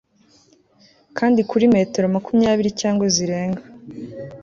kandi kuri metero makumyabiri cyangwa zirenga